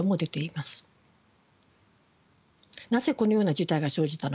なぜこのような事態が生じたのか。